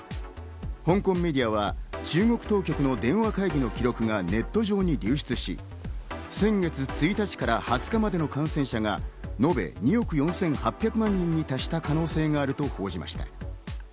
香港メディアは中国当局の電話会議の記録がネット上に流出し、先月１日から２０日までの感染者がのべ２億４８００万人に達した可能性があると報じました。